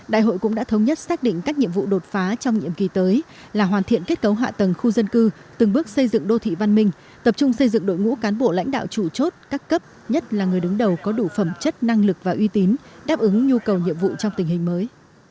đại hội cũng đã thống nhất xác định các nhiệm vụ đột phá trong nhiệm kỳ tới là hoàn thiện kết cấu hạ tầng khu dân cư từng bước xây dựng đô thị văn minh tập trung xây dựng đội ngũ cán bộ lãnh đạo chủ chốt các cấp nhất là người đứng đầu có đủ phẩm chất năng lực và uy tín đáp ứng nhu cầu nhiệm vụ trong tình hình mới